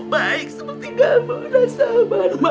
baik seperti kamu nas salman